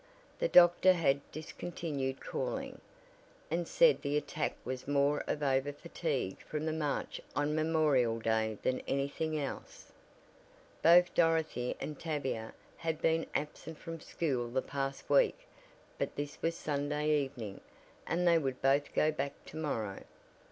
The doctor had discontinued calling, and said the attack was more of overfatigue from the march on Memorial Day than anything else. Both Dorothy and Tavia had been absent from school the past week but this was Sunday evening, and they would both go back to morrow.